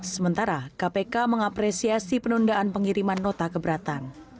sementara kpk mengapresiasi penundaan pengiriman nota keberatan